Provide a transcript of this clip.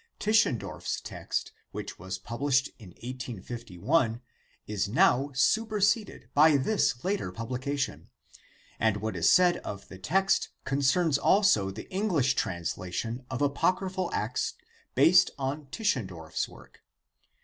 Tischendorf's text which was pub lished in 185 1, is now superseded by this later pub iv PREFACE lication, and what is said of the text concerns also the EngHsh translation of Apocryphal Acts based on Tischendorf s work.